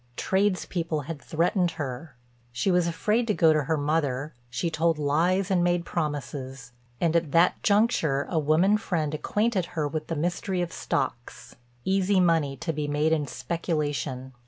Tradespeople had threatened her, she was afraid to go to her mother, she told lies and made promises, and at that juncture a woman friend acquainted her with the mystery of stocks—easy money to be made in speculation.